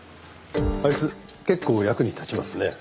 あいつ結構役に立ちますね。